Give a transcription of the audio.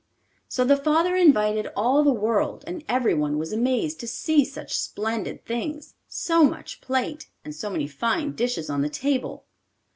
So the father invited all the world, and everyone was amazed to see such splendid things, so much plate, and so many fine dishes on the table.